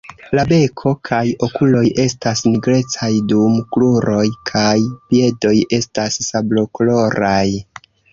La beko kaj okuloj estas nigrecaj, dum kruroj kaj piedoj estas sablokoloraj.